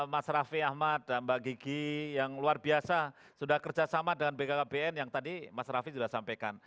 mas raffi ahmad dan mbak gigi yang luar biasa sudah kerjasama dengan bkkbn yang tadi mas raffi sudah sampaikan